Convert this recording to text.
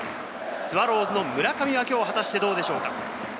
スワローズの村上は今日、果たしてどうでしょうか？